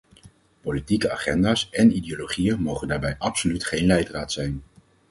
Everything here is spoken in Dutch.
Politieke agenda's en ideologieën mogen daarbij absoluut geen leidraad zijn.